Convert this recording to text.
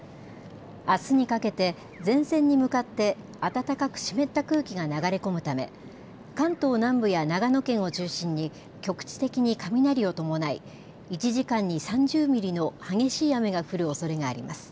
あすにかけて前線に向かって暖かく湿った空気が流れ込むため関東南部や長野県を中心に局地的に雷を伴い１時間に３０ミリの激しい雨が降るおそれがあります。